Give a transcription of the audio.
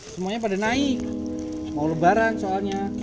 semuanya pada naik mau lebaran soalnya